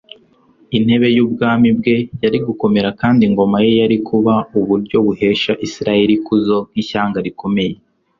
intebe y'ubwami bwe yari gukomera kandi ingoma ye yari kuba uburyo buhesha isirayeli ikuzo nk' ishyanga rikomeye